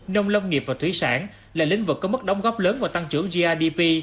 nông lông nghiệp và thúy sản là lĩnh vực có mức đóng góp lớn vào tăng trưởng grdp